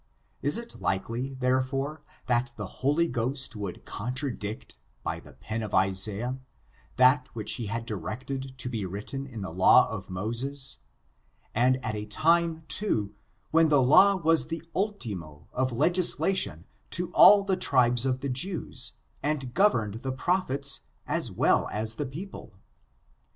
Is it like ly, therefore, that the Holy Ghost would contradict, by the pen of Isaiah, that which he had directed to be written in the law of Moses, and at a time, too, when that law was the ultimo of legislation to all the ^^^^^^^^^^^h^M«#^ ^^^0^^^^^^^^ FORTUNES} OF THE NEGRO RACE. 323 tribes of the Jews, and governed the prophets^ as well as the people?